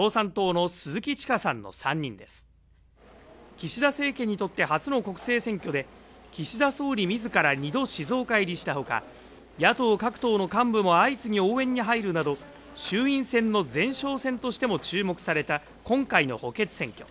岸田政権にとって初の国政選挙で、岸田総理自ら２度静岡入りしたほか、野党各党の幹部も相次ぎ応援に入るなど、衆院選の前哨戦としても注目された今回の補欠選挙。